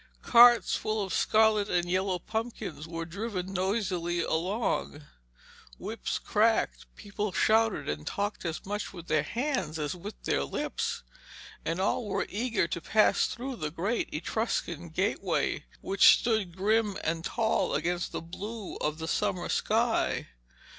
Carts full of scarlet and yellow pumpkins were driven noisily along. Whips cracked, people shouted and talked as much with their hands as with their lips, and all were eager to pass through the great Etruscan gateway, which stood grim and tall against the blue of the summer sky.